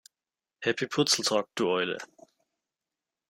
Happy Purzeltag, du Eule!